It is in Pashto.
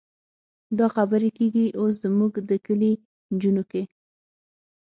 دا خبرې کېږي اوس زموږ د کلي نجونو کې.